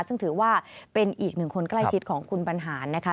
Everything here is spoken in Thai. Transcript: ซึ่งถือว่าเป็นอีกหนึ่งคนใกล้ชิดของคุณบรรหารนะคะ